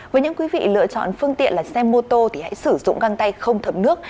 với những quý vị lựa chọn phương tiện là xe mô tô thì hãy sử dụng găng tay không thấm nước